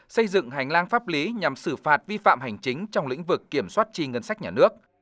xây dựng hành lang pháp lý nhằm xử phạt vi phạm hành chính trong lĩnh vực kiểm soát chi ngân sách nhà nước